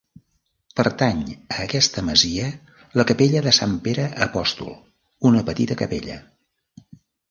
Pertany a aquesta masia la capella de Sant Pere Apòstol, una petita capella.